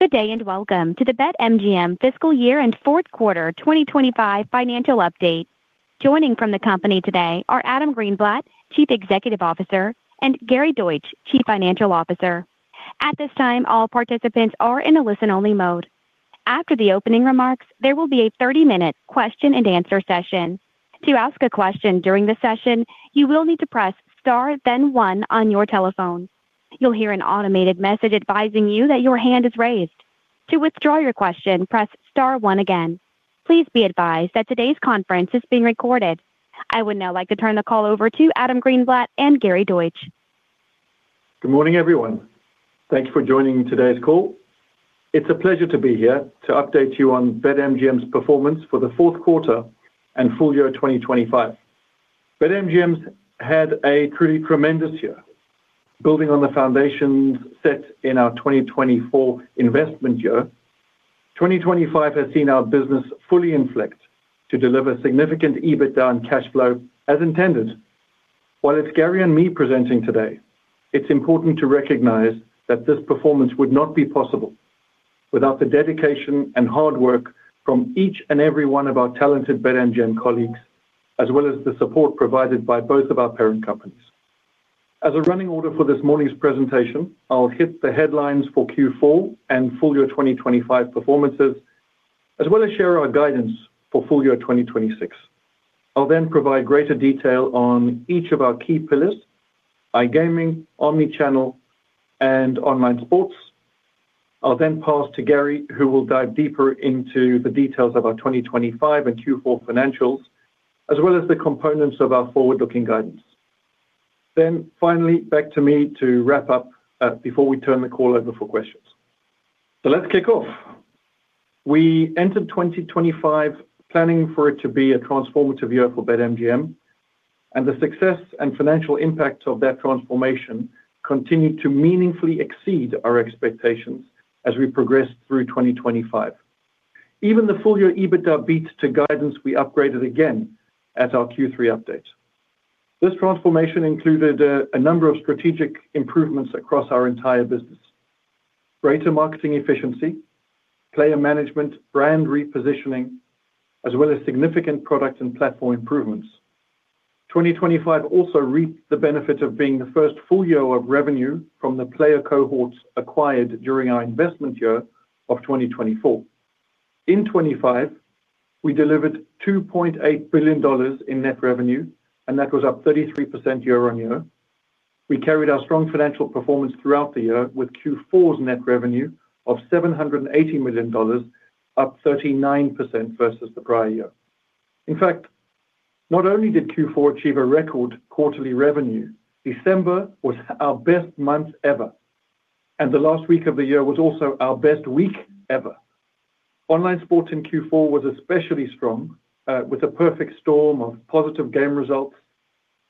Good day, and welcome to the BetMGM Fiscal Year and Fourth Quarter 2025 financial update. Joining from the company today are Adam Greenblatt, Chief Executive Officer, and Gary Deutsch, Chief Financial Officer. At this time, all participants are in a listen-only mode. After the opening remarks, there will be a 30-minute question and answer session. To ask a question during the session, you will need to press star, then one on your telephone. You'll hear an automated message advising you that your hand is raised. To withdraw your question, press star one again. Please be advised that today's conference is being recorded. I would now like to turn the call over to Adam Greenblatt and Gary Deutsch. Good morning, everyone. Thanks for joining today's call. It's a pleasure to be here to update you on BetMGM's performance for the fourth quarter and full-year 2025. BetMGM's had a truly tremendous year. Building on the foundation set in our 2024 investment year, 2025 has seen our business fully inflect to deliver significant EBITDA and cash flow as intended. While it's Gary and me presenting today, it's important to recognize that this performance would not be possible without the dedication and hard work from each and every one of our talented BetMGM colleagues, as well as the support provided by both of our parent companies. As a running order for this morning's presentation, I'll hit the headlines for Q4 and full-year 2026. I'll then provide greater detail on each of our key pillars: iGaming, omni-channel, and online sports. I'll then pass to Gary, who will dive deeper into the details of our 2025 and Q4 financials, as well as the components of our forward-looking guidance. Then finally, back to me to wrap up before we turn the call over for questions. So let's kick off. We entered 2025, planning for it to be a transformative year for BetMGM, and the success and financial impact of that transformation continued to meaningfully exceed our expectations as we progressed through 2025. Even the full-year EBITDA beat to guidance, we upgraded again at our Q3 update. This transformation included a number of strategic improvements across our entire business: greater marketing efficiency, player management, brand repositioning, as well as significant product and platform improvements. 2025 also reaped the benefit of being the first full-year of revenue from the player cohorts acquired during our investment year of 2024. In 2025, we delivered $2.8 billion in net revenue, and that was up 33% year-on-year. We carried our strong financial performance throughout the year with Q4's net revenue of $780 million, up 39% versus the prior year. In fact, not only did Q4 achieve a record quarterly revenue, December was our best month ever, and the last week of the year was also our best week ever. Online sports in Q4 was especially strong, with a perfect storm of positive game results,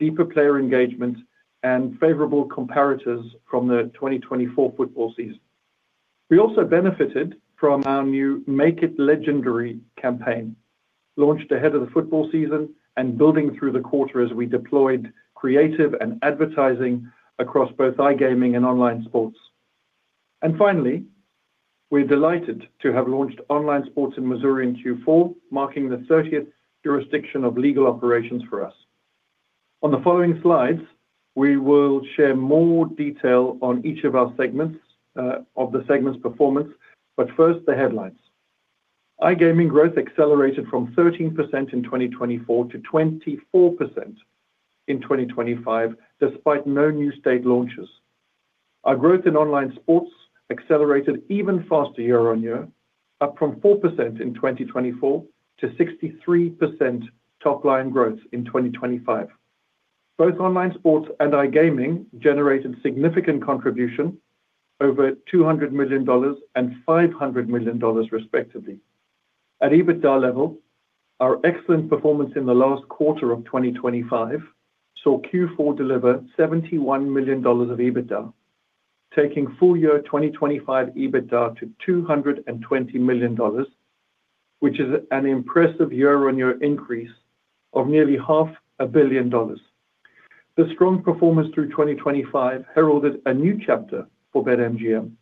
deeper player engagement, and favorable comparators from the 2024 football season. We also benefited from our new Make It Legendary campaign, launched ahead of the football season and building through the quarter as we deployed creative and advertising across both iGaming and online sports. And finally, we're delighted to have launched online sports in Missouri in Q4, marking the 30th jurisdiction of legal operations for us. On the following slides, we will share more detail on each of our segments, of the segment's performance. But first, the headlines. iGaming growth accelerated from 13% in 2024 to 24% in 2025, despite no new state launches. Our growth in online sports accelerated even faster year-on-year, up from 4% in 2024 to 63% top-line growth in 2025. Both online sports and iGaming generated significant contribution over $200 million and $500 million, respectively. At EBITDA level, our excellent performance in the last quarter of 2025, saw Q4 deliver $71 million of EBITDA, taking full-year 2025 EBITDA to $220 million, which is an impressive year-on-year increase of nearly $500 million. The strong performance through 2025 heralded a new chapter for BetMGM,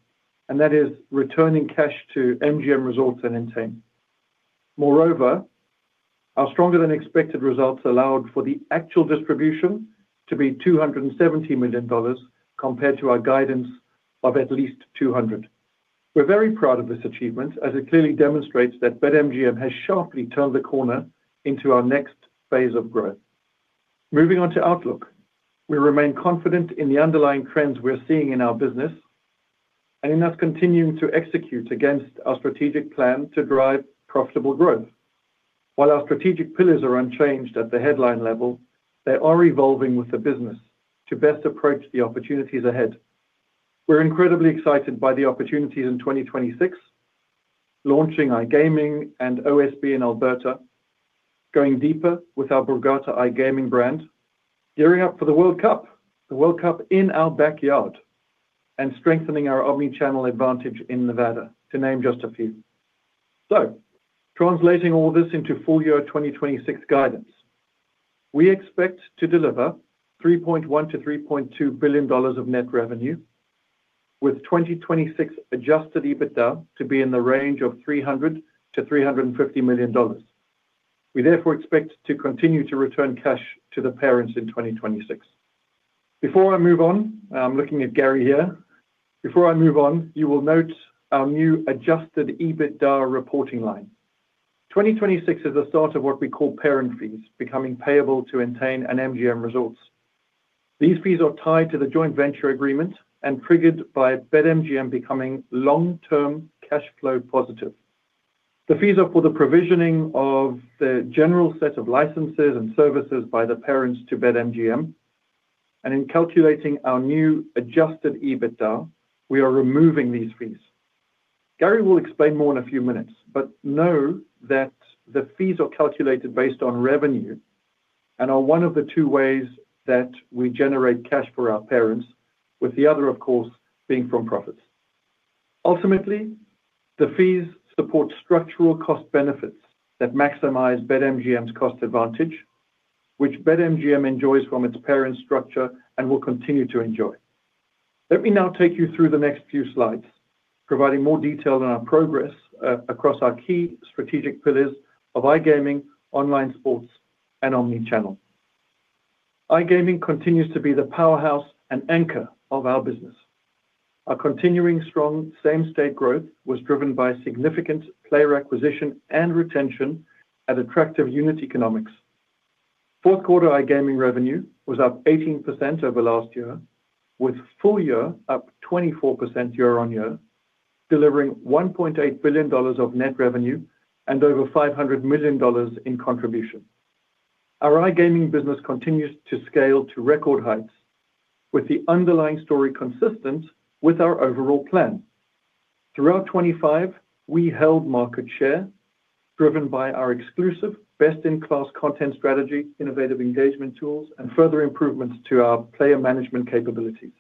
and that is returning cash to MGM Resorts and Entain. Moreover, our stronger-than-expected results allowed for the actual distribution to be $270 million, compared to our guidance of at least $200 million. We're very proud of this achievement, as it clearly demonstrates that BetMGM has sharply turned the corner into our next phase of growth. Moving on to outlook. We remain confident in the underlying trends we're seeing in our business and in us continuing to execute against our strategic plan to drive profitable growth. While our strategic pillars are unchanged at the headline level, they are evolving with the business to best approach the opportunities ahead. We're incredibly excited by the opportunities in 2026, launching iGaming and OSB in Alberta, going deeper with our Borgata iGaming brand, gearing up for the World Cup, the World Cup in our backyard, and strengthening our omni-channel advantage in Nevada, to name just a few. So translating all this into full-year 2026 guidance. We expect to deliver $3.1 billion-$3.2 billion of net revenue, with 2026 adjusted EBITDA to be in the range of $300 million-$350 million. We therefore expect to continue to return cash to the parents in 2026. Before I move on, I'm looking at Gary here. Before I move on, you will note our new adjusted EBITDA reporting line. 2026 is the start of what we call parent fees, becoming payable to Entain and MGM Resorts. These fees are tied to the joint venture agreement and triggered by BetMGM becoming long-term cash flow positive. The fees are for the provisioning of the general set of licenses and services by the parents to BetMGM, and in calculating our new Adjusted EBITDA, we are removing these fees. Gary will explain more in a few minutes, but know that the fees are calculated based on revenue and are one of the two ways that we generate cash for our parents, with the other, of course, being from profits. Ultimately, the fees support structural cost benefits that maximize BetMGM's cost advantage, which BetMGM enjoys from its parent structure and will continue to enjoy. Let me now take you through the next few slides, providing more detail on our progress across our key strategic pillars of iGaming, online sports, and omni-channel. iGaming continues to be the powerhouse and anchor of our business. Our continuing strong same state growth was driven by significant player acquisition and retention at attractive unit economics. Fourth quarter iGaming revenue was up 18% over last year, with full-year up 24% year-on-year, delivering $1.8 billion of net revenue and over $500 million in contribution. Our iGaming business continues to scale to record heights, with the underlying story consistent with our overall plan. Throughout 2025, we held market share, driven by our exclusive best-in-class content strategy, innovative engagement tools, and further improvements to our player management capabilities.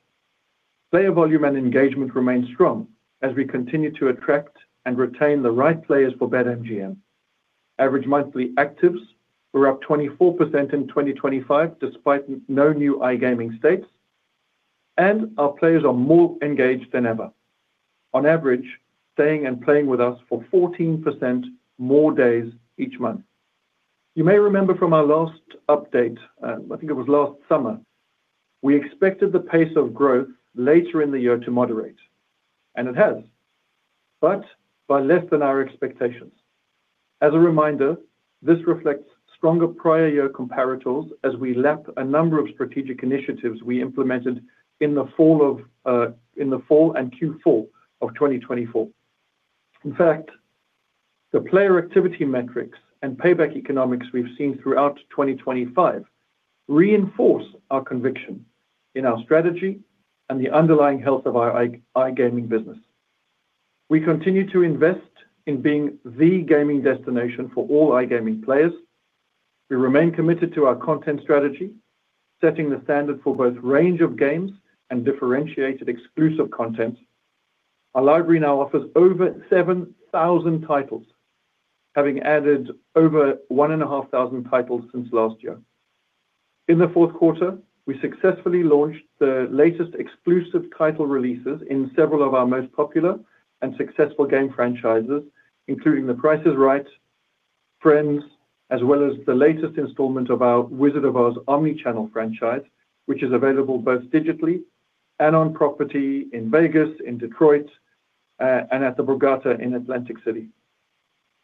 Player volume and engagement remains strong as we continue to attract and retain the right players for BetMGM. Average monthly actives were up 24% in 2025, despite no new iGaming states, and our players are more engaged than ever, on average, staying and playing with us for 14% more days each month. You may remember from our last update, I think it was last summer, we expected the pace of growth later in the year to moderate, and it has, but by less than our expectations. As a reminder, this reflects stronger prior year comparators as we lap a number of strategic initiatives we implemented in the fall and Q4 of 2024. In fact, the player activity metrics and payback economics we've seen throughout 2025 reinforce our conviction in our strategy and the underlying health of our iGaming business. We continue to invest in being the gaming destination for all iGaming players. We remain committed to our content strategy, setting the standard for both range of games and differentiated exclusive content. Our library now offers over 7,000 titles, having added over 1,500 titles since last year. In the fourth quarter, we successfully launched the latest exclusive title releases in several of our most popular and successful game franchises, including The Price is Right, Friends, as well as the latest installment of our Wizard of Oz omni-channel franchise, which is available both digitally and on property in Vegas, in Detroit, and at the Borgata in Atlantic City.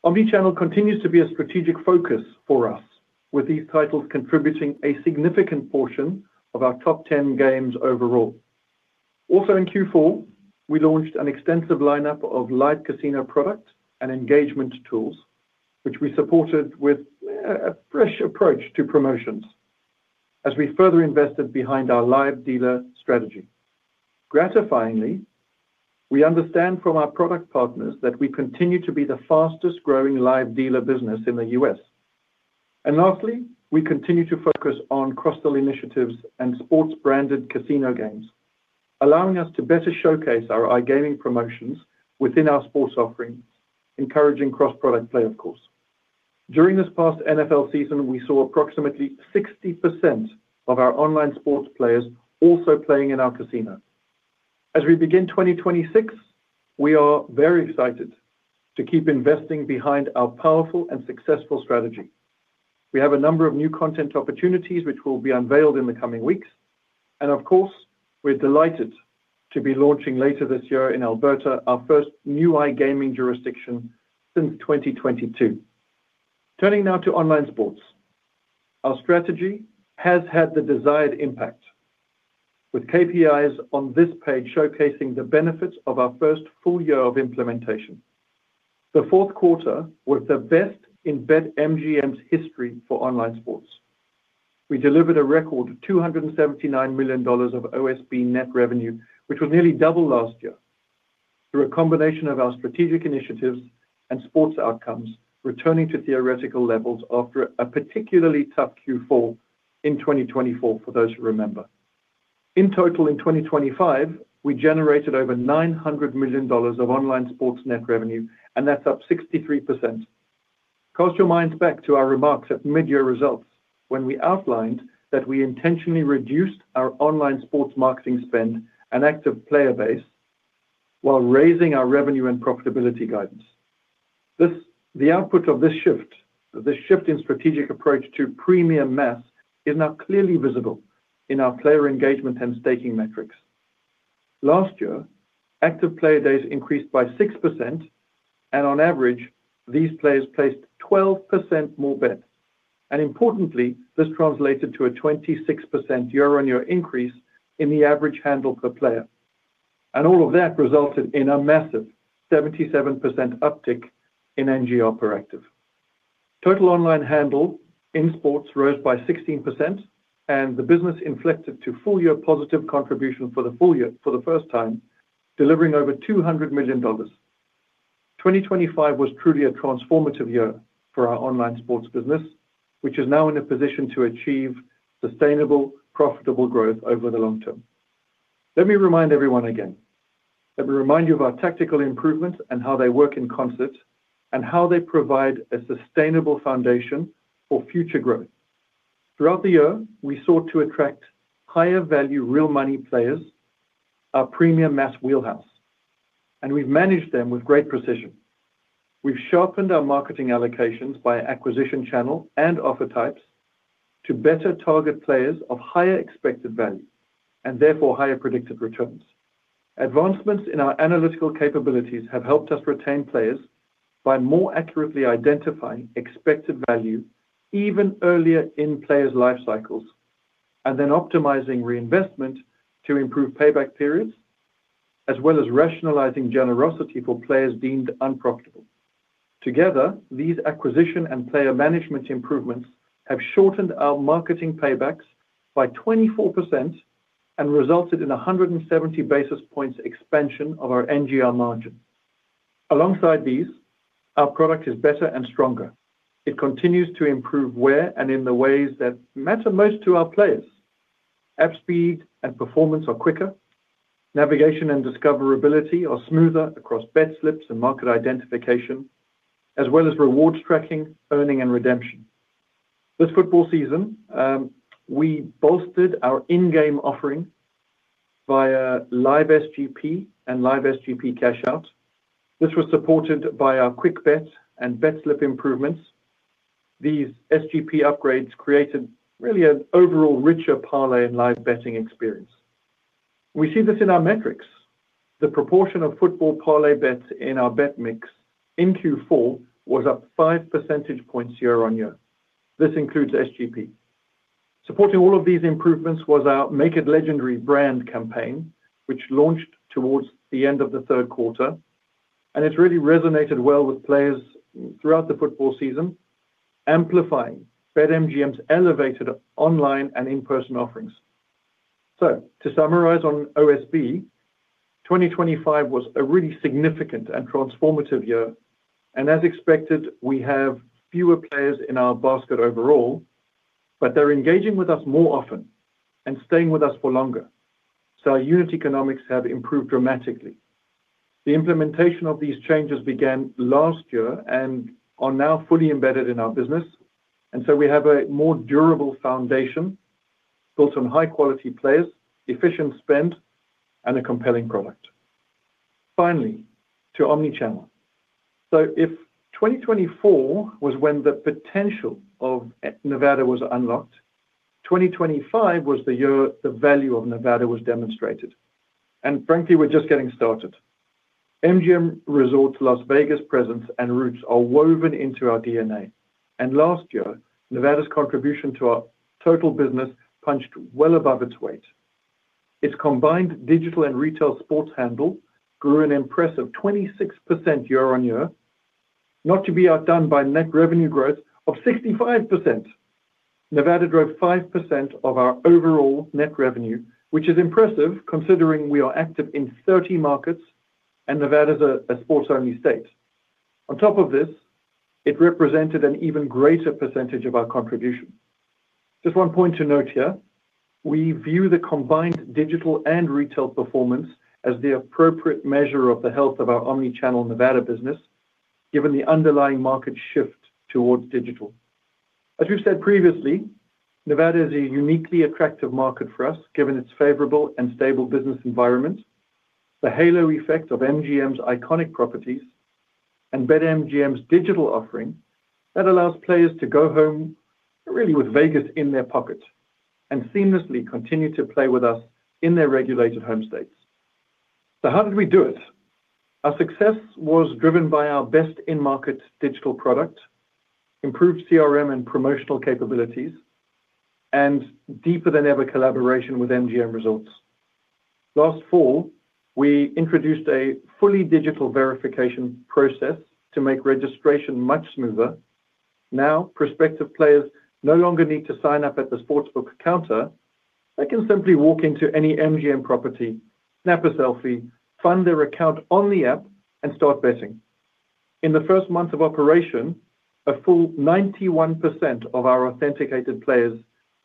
Omni-channel continues to be a strategic focus for us, with these titles contributing a significant portion of our top 10 games overall. Also in Q4, we launched an extensive lineup of live casino products and engagement tools, which we supported with a fresh approach to promotions as we further invested behind our live dealer strategy. Gratifyingly, we understand from our product partners that we continue to be the fastest-growing live dealer business in the U.S. And lastly, we continue to focus on cross-sell initiatives and sports-branded casino games, allowing us to better showcase our iGaming promotions within our sports offerings, encouraging cross-product play, of course. During this past NFL season, we saw approximately 60% of our online sports players also playing in our casino. As we begin 2026, we are very excited to keep investing behind our powerful and successful strategy. We have a number of new content opportunities which will be unveiled in the coming weeks, and of course, we're delighted to be launching later this year in Alberta, our first new iGaming jurisdiction since 2022. Turning now to online sports. Our strategy has had the desired impact, with KPIs on this page showcasing the benefits of our first full-year of implementation. The fourth quarter was the best in BetMGM's history for online sports. We delivered a record $279 million of OSB net revenue, which was nearly double last year, through a combination of our strategic initiatives and sports outcomes, returning to theoretical levels after a particularly tough Q4 in 2024, for those who remember.... In total, in 2025, we generated over $900 million of online sports net revenue, and that's up 63%. Cast your minds back to our remarks at mid-year results, when we outlined that we intentionally reduced our online sports marketing spend and active player base while raising our revenue and profitability guidance. This, the output of this shift, this shift in strategic approach to premium mass, is now clearly visible in our player engagement and staking metrics. Last year, active player days increased by 6%, and on average, these players placed 12% more bets. Importantly, this translated to a 26% year-on-year increase in the average handle per player. All of that resulted in a massive 77% uptick in NGR per active. Total online handle in sports rose by 16%, and the business inflected to full-year positive contribution for the full-year for the first time, delivering over $200 million. 2025 was truly a transformative year for our online sports business, which is now in a position to achieve sustainable, profitable growth over the long term. Let me remind everyone again. Let me remind you of our tactical improvements and how they work in concert, and how they provide a sustainable foundation for future growth. Throughout the year, we sought to attract higher-value, real money players, our premium mass wheelhouse, and we've managed them with great precision. We've sharpened our marketing allocations by acquisition channel and offer types to better target players of higher expected value, and therefore, higher predicted returns. Advancements in our analytical capabilities have helped us retain players by more accurately identifying expected value even earlier in players' life cycles, and then optimizing reinvestment to improve payback periods, as well as rationalizing generosity for players deemed unprofitable. Together, these acquisition and player management improvements have shortened our marketing paybacks by 24% and resulted in 170 basis points expansion of our NGR margin. Alongside these, our product is better and stronger. It continues to improve where and in the ways that matter most to our players. App speed and performance are quicker, navigation and discoverability are smoother across bet slips and market identification, as well as rewards tracking, earning, and redemption. This football season, we bolstered our in-game offering via live SGP and live SGP cash out. This was supported by our quick bet and bet slip improvements. These SGP upgrades created really an overall richer parlay and live betting experience. We see this in our metrics. The proportion of football parlay bets in our bet mix in Q4 was up 5 percentage points year-on-year. This includes SGP. Supporting all of these improvements was our Make It Legendary brand campaign, which launched towards the end of the third quarter, and it's really resonated well with players throughout the football season, amplifying BetMGM's elevated online and in-person offerings. So to summarize on OSB, 2025 was a really significant and transformative year, and as expected, we have fewer players in our basket overall, but they're engaging with us more often and staying with us for longer. So our unit economics have improved dramatically. The implementation of these changes began last year and are now fully embedded in our business, and so we have a more durable foundation built on high-quality players, efficient spend, and a compelling product. Finally, to omni-channel. So if 2024 was when the potential of Nevada was unlocked, 2025 was the year the value of Nevada was demonstrated. Frankly, we're just getting started. MGM Resorts Las Vegas presence and roots are woven into our DNA, and last year, Nevada's contribution to our total business punched well above its weight. Its combined digital and retail sports handle grew an impressive 26% year-on-year, not to be outdone by net revenue growth of 65%. Nevada drove 5% of our overall net revenue, which is impressive considering we are active in 30 markets and Nevada is a sports-only state. On top of this, it represented an even greater percentage of our contribution. Just one point to note here, we view the combined digital and retail performance as the appropriate measure of the health of our omni-channel Nevada business, given the underlying market shift towards digital. As we've said previously, Nevada is a uniquely attractive market for us, given its favorable and stable business environment, the halo effect of MGM's iconic properties, and BetMGM's digital offering that allows players to go home really with Vegas in their pocket and seamlessly continue to play with us in their regulated home states. So how did we do it? Our success was driven by our best in-market digital product, improved CRM and promotional capabilities, and deeper than ever collaboration with MGM Resorts. Last fall, we introduced a fully digital verification process to make registration much smoother. Now, prospective players no longer need to sign up at the sports book counter. They can simply walk into any MGM property, snap a selfie, fund their account on the app, and start betting. In the first month of operation, a full 91% of our authenticated players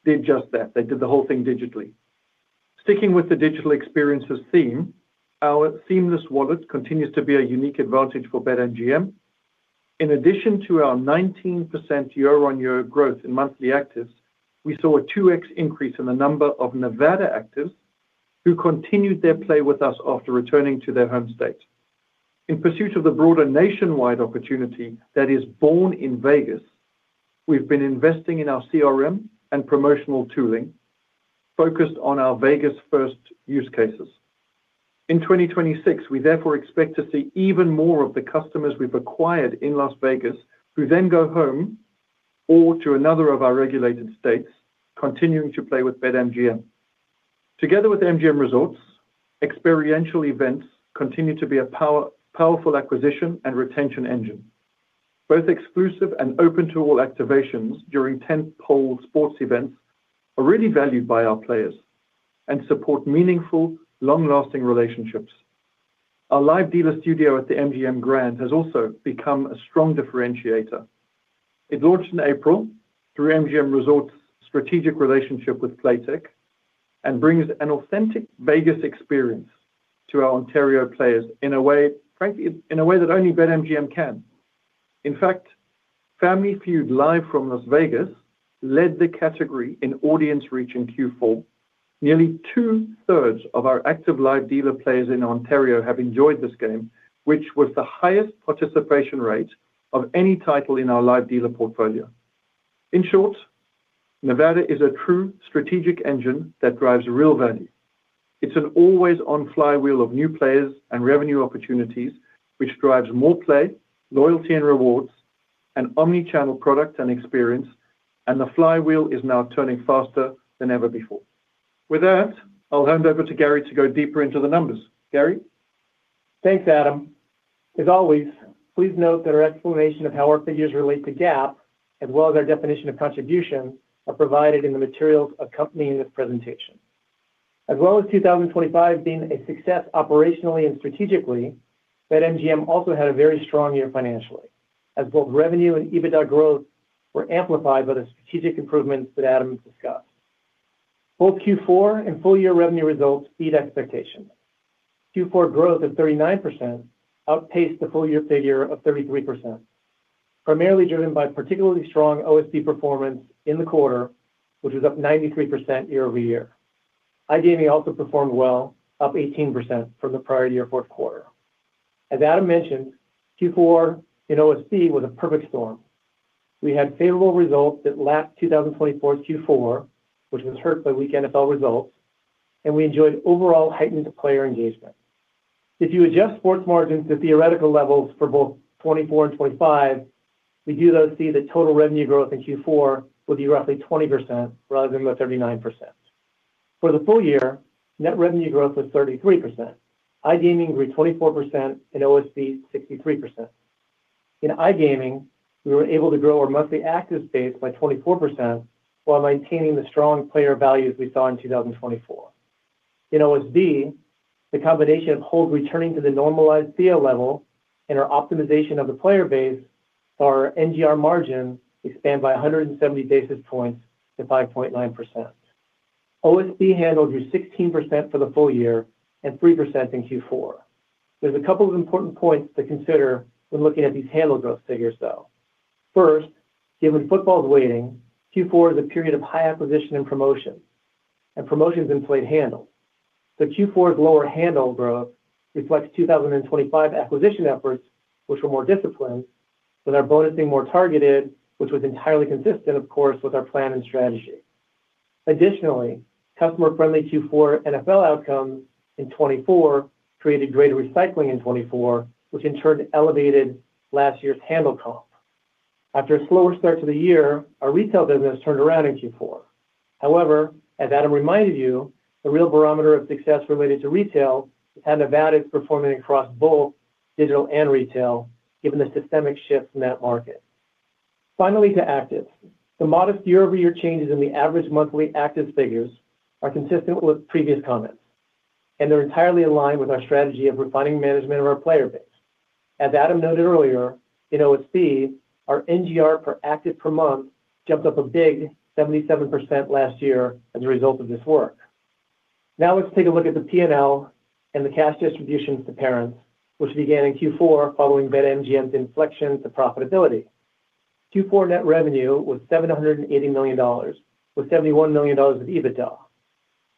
did just that. They did the whole thing digitally. Sticking with the digital experiences theme, our Seamless Wallet continues to be a unique advantage for BetMGM. In addition to our 19% year-on-year growth in monthly actives, we saw a 2x increase in the number of Nevada actives who continued their play with us after returning to their home state. In pursuit of the broader nationwide opportunity that is born in Vegas, we've been investing in our CRM and promotional tooling, focused on our Vegas first use cases. In 2026, we therefore expect to see even more of the customers we've acquired in Las Vegas, who then go home or to another of our regulated states, continuing to play with BetMGM. Together with MGM Resorts, experiential events continue to be a powerful acquisition and retention engine. Both exclusive and open to all activations during tentpole sports events are really valued by our players and support meaningful, long-lasting relationships. Our live dealer studio at the MGM Grand has also become a strong differentiator. It launched in April through MGM Resorts' strategic relationship with Playtech, and brings an authentic Vegas experience to our Ontario players in a way, frankly, in a way that only BetMGM can. In fact, Family Feud, live from Las Vegas, led the category in audience reach in Q4. Nearly two-thirds of our active live dealer players in Ontario have enjoyed this game, which was the highest participation rate of any title in our live dealer portfolio. In short, Nevada is a true strategic engine that drives real value. It's an always-on flywheel of new players and revenue opportunities, which drives more play, loyalty and rewards, and omni-channel product and experience, and the flywheel is now turning faster than ever before. With that, I'll hand over to Gary to go deeper into the numbers. Gary? Thanks, Adam. As always, please note that our explanation of how our figures relate to GAAP, as well as our definition of contribution, are provided in the materials accompanying this presentation. As well as 2025 being a success operationally and strategically, BetMGM also had a very strong year financially, as both revenue and EBITDA growth were amplified by the strategic improvements that Adam discussed. Both Q4 and full-year revenue results beat expectations. Q4 growth of 39% outpaced the full-year figure of 33%, primarily driven by particularly strong OSB performance in the quarter, which was up 93% year-over-year. iGaming also performed well, up 18% from the prior-year fourth quarter. As Adam mentioned, Q4 in OSB was a perfect storm. We had favorable results that last 2024 Q4, which was hurt by weak NFL results, and we enjoyed overall heightened player engagement. If you adjust sports margins to theoretical levels for both 2024 and 2025, we do, though, see that total revenue growth in Q4 would be roughly 20% rather than the 39%. For the full-year, net revenue growth was 33%. iGaming grew 24% and OSB, 63%. In iGaming, we were able to grow our monthly active base by 24% while maintaining the strong player values we saw in 2024. In OSB, the combination of holds returning to the normalized Theo level and our optimization of the player base for our NGR margin, expand by 170 basis points to 5.9%. OSB handle grew 16% for the full-year and 3% in Q4. There's a couple of important points to consider when looking at these handle growth figures, though. First, given football's weighting, Q4 is a period of high acquisition and promotion, and promotion's been played handle. So Q4's lower handle growth reflects 2025 acquisition efforts, which were more disciplined, with our bonusing more targeted, which was entirely consistent, of course, with our plan and strategy. Additionally, customer-friendly Q4 NFL outcomes in 2024 created greater recycling in 2024, which in turn elevated last year's handle comp. After a slower start to the year, our retail business turned around in Q4. However, as Adam reminded you, the real barometer of success related to retail is how Nevada is performing across both digital and retail, given the systemic shift in that market. Finally, to actives. The modest year-over-year changes in the average monthly active figures are consistent with previous comments, and they're entirely aligned with our strategy of refining management of our player base. As Adam noted earlier, in OSB, our NGR per active per month jumped up a big 77% last year as a result of this work. Now, let's take a look at the PNL and the cash distributions to parents, which began in Q4 following BetMGM's inflection to profitability. Q4 net revenue was $780 million, with $71 million of EBITDA.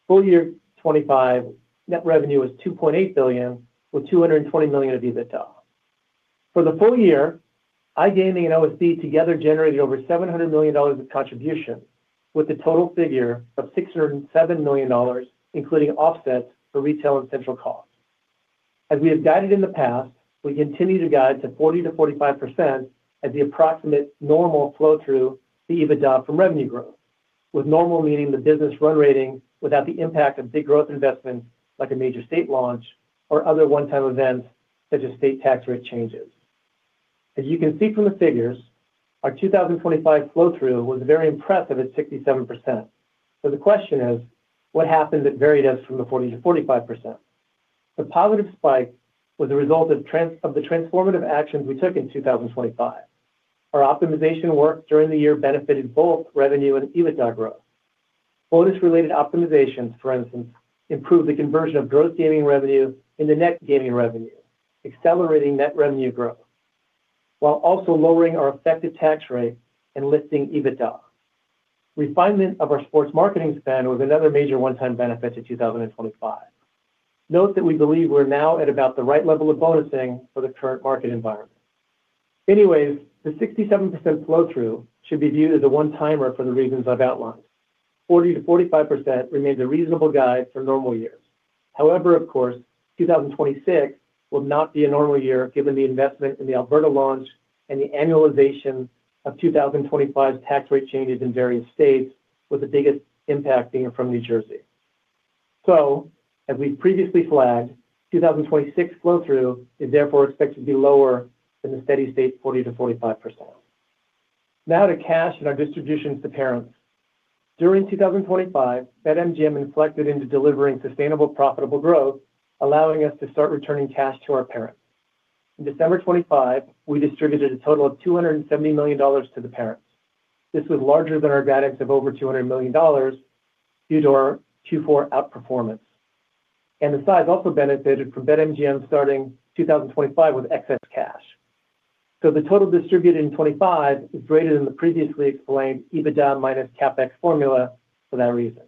full-year 2025 net revenue was $2.8 billion, with $220 million of EBITDA. For the full-year, iGaming and OSB together generated over $700 million of contribution, with a total figure of $607 million, including offsets for retail and central costs. As we have guided in the past, we continue to guide to 40%-45% as the approximate normal flow-through to EBITDA from revenue growth, with normal meaning the business run rate without the impact of big growth investments like a major state launch or other one-time events, such as state tax rate changes. As you can see from the figures. Our 2025 flow-through was very impressive at 67%. So the question is: What happens when it varies from the 40%-45%? The positive spike was a result of the transformative actions we took in 2025. Our optimization work during the year benefited both revenue and EBITDA growth. Bonus-related optimizations, for instance, improved the conversion of gross gaming revenue into net gaming revenue, accelerating net revenue growth, while also lowering our effective tax rate and lifting EBITDA. Refinement of our sports marketing spend was another major one-time benefit to 2025. Note that we believe we're now at about the right level of bonusing for the current market environment. Anyways, the 67% flow-through should be viewed as a one-timer for the reasons I've outlined. 40%-45% remains a reasonable guide for normal years. However, of course, 2026 will not be a normal year, given the investment in the Alberta launch and the annualization of 2025's tax rate changes in various states, with the biggest impact being from New Jersey. So, as we previously flagged, 2026 flow-through is therefore expected to be lower than the steady state, 40%-45%. Now to cash and our distributions to parents. During 2025, BetMGM inflected into delivering sustainable, profitable growth, allowing us to start returning cash to our parents. In December 2025, we distributed a total of $270 million to the parents. This was larger than our guidance of over $200 million due to our Q4 outperformance. The size also benefited from BetMGM starting 2025 with excess cash. The total distributed in 2025 is greater than the previously explained EBITDA minus CapEx formula for that reason.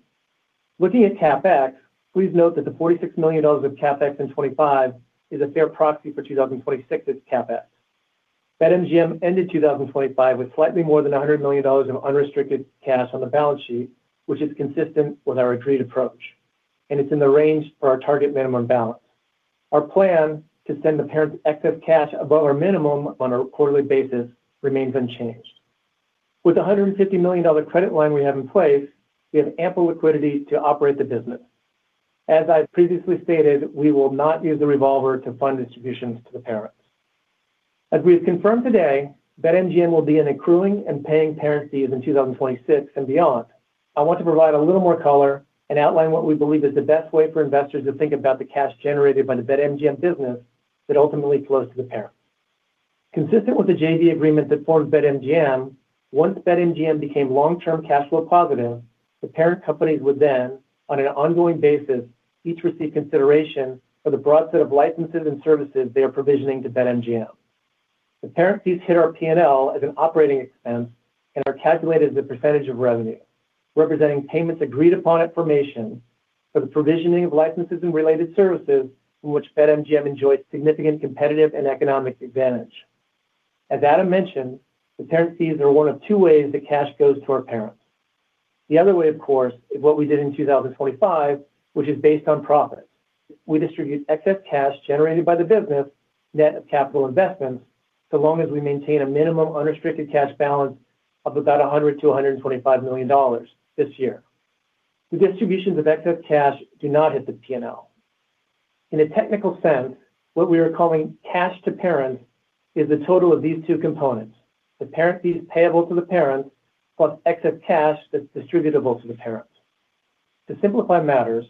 Looking at CapEx, please note that the $46 million of CapEx in 2025 is a fair proxy for 2026's CapEx. BetMGM ended 2025 with slightly more than $100 million of unrestricted cash on the balance sheet, which is consistent with our agreed approach, and it's in the range for our target minimum balance. Our plan to send the parents excess cash above our minimum on a quarterly basis remains unchanged. With the $150 million credit line we have in place, we have ample liquidity to operate the business. As I previously stated, we will not use the revolver to fund distributions to the parents. As we've confirmed today, BetMGM will be an accruing and paying parent fees in 2026 and beyond. I want to provide a little more color and outline what we believe is the best way for investors to think about the cash generated by the BetMGM business that ultimately flows to the parent. Consistent with the JV agreement that formed BetMGM, once BetMGM became long-term cash flow positive, the parent companies would then, on an ongoing basis, each receive consideration for the broad set of licenses and services they are provisioning to BetMGM. The parent fees hit our P&L as an operating expense and are calculated as a percentage of revenue, representing payments agreed upon at formation for the provisioning of licenses and related services from which BetMGM enjoys significant competitive and economic advantage. As Adam mentioned, the parent fees are one of two ways that cash goes to our parents. The other way, of course, is what we did in 2025, which is based on profit. We distribute excess cash generated by the business, net of capital investments, so long as we maintain a minimum unrestricted cash balance of about $100-$125 million this year. The distributions of excess cash do not hit the P&L. In a technical sense, what we are calling cash to parents is the total of these two components: the parent fees payable to the parents, plus excess cash that's distributable to the parents. To simplify matters,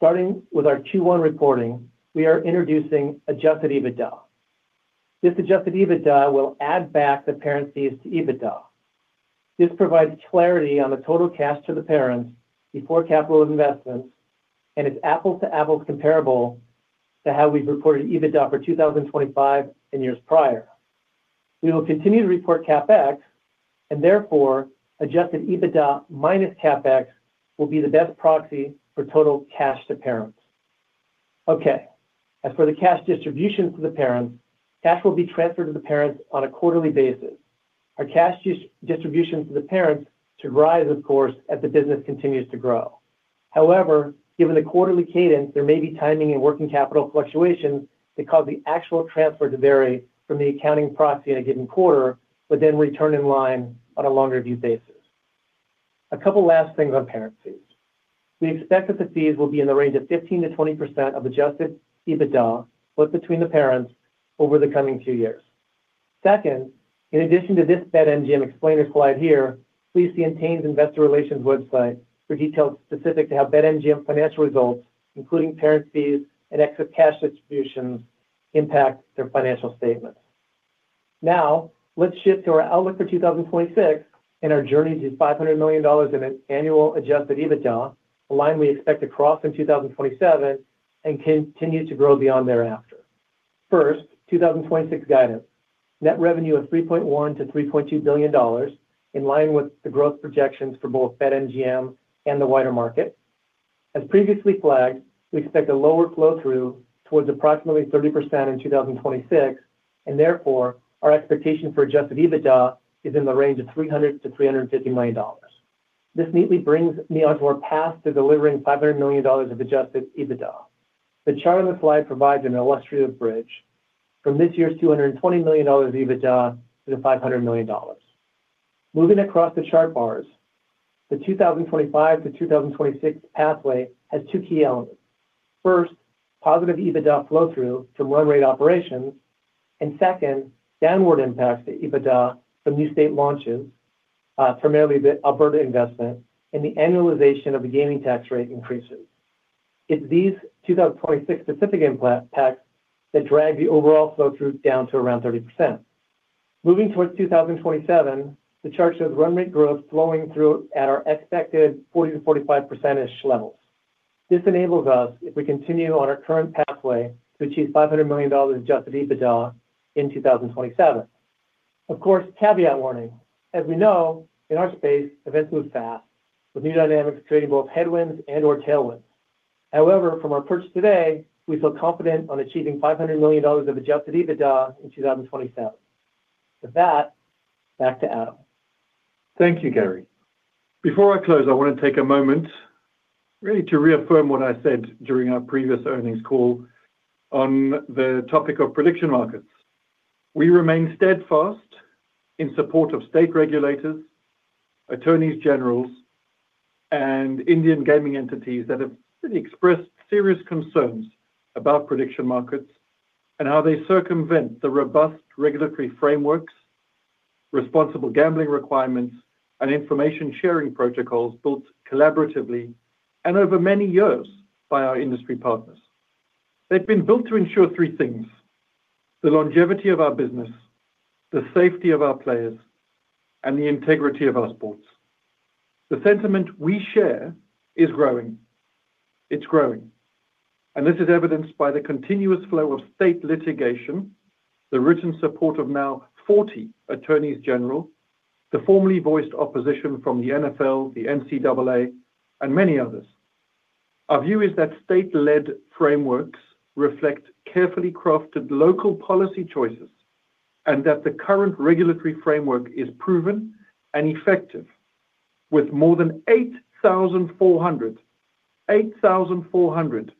starting with our Q1 reporting, we are introducing adjusted EBITDA. This adjusted EBITDA will add back the parent fees to EBITDA. This provides clarity on the total cash to the parents before capital investments, and it's apples-to-apples comparable to how we've reported EBITDA for 2025 and years prior. We will continue to report CapEx, and therefore, adjusted EBITDA minus CapEx will be the best proxy for total cash to parents. Okay, as for the cash distribution to the parents, cash will be transferred to the parents on a quarterly basis. Our cash distribution to the parents should rise, of course, as the business continues to grow. However, given the quarterly cadence, there may be timing and working capital fluctuations that cause the actual transfer to vary from the accounting proxy in a given quarter, but then return in line on a longer view basis. A couple last things on parent fees. We expect that the fees will be in the range of 15%-20% of adjusted EBITDA, but between the parents over the coming two years. Second, in addition to this BetMGM explainer slide here, please see Entain's Investor Relations website for details specific to how BetMGM financial results, including parent fees and excess cash distributions, impact their financial statements. Now, let's shift to our outlook for 2026 and our journey to $500 million in annual Adjusted EBITDA, a line we expect to cross in 2027 and continue to grow beyond thereafter. First, 2026 guidance. Net revenue of $3.1 billion-$3.2 billion, in line with the growth projections for both BetMGM and the wider market. As previously flagged, we expect a lower flow-through towards approximately 30% in 2026, and therefore, our expectation for Adjusted EBITDA is in the range of $300 million-$350 million. This neatly brings me onto our path to delivering $500 million of Adjusted EBITDA. The chart on this slide provides an illustrative bridge from this year's $220 million EBITDA to the $500 million. Moving across the chart bars, the 2025 to 2026 pathway has two key elements. First, positive EBITDA flow-through from run rate operations, and second, downward impacts to EBITDA from new state launches, primarily the Alberta investment, and the annualization of the gaming tax rate increases. It's these 2026 specific impacts that drag the overall flow-through down to around 30%. Moving towards 2027, the chart shows run rate growth flowing through at our expected 40%-45% levels. This enables us, if we continue on our current pathway, to achieve $500 million in Adjusted EBITDA in 2027. Of course, caveat warning, as we know, in our space, events move fast, with new dynamics creating both headwinds and/or tailwinds. However, from our purchase today, we feel confident on achieving $500 million of Adjusted EBITDA in 2027. With that, back to Adam. Thank you, Gary. Before I close, I want to take a moment, really, to reaffirm what I said during our previous earnings call on the topic of prediction markets. We remain steadfast in support of state regulators, attorneys general, and Indian gaming entities that have really expressed serious concerns about prediction markets and how they circumvent the robust regulatory frameworks, responsible gambling requirements, and information-sharing protocols built collaboratively and over many years by our industry partners. They've been built to ensure three things: the longevity of our business, the safety of our players, and the integrity of our sports. The sentiment we share is growing. It's growing, and this is evidenced by the continuous flow of state litigation, the written support of now 40 attorneys general, the formally voiced opposition from the NFL, the NCAA, and many others. Our view is that state-led frameworks reflect carefully crafted local policy choices, and that the current regulatory framework is proven and effective, with more than 8,400, 8,400